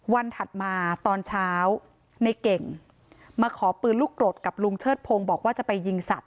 ถัดมาตอนเช้าในเก่งมาขอปืนลูกกรดกับลุงเชิดพงศ์บอกว่าจะไปยิงสัตว